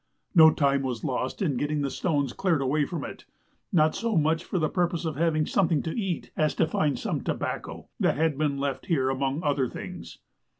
No time was lost in getting the stones cleared away from it, not so much for the purpose of having something to eat, as to find some tobacco that had been left here among other things.